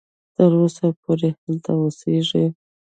تر اوسه پوري هلته اوسیږي.